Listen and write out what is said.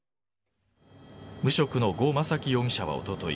無職のゴ・マサキ容疑者はおととい